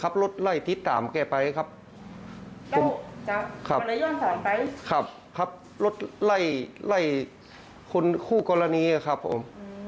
ครับเสียหายด้านหน้าครับผม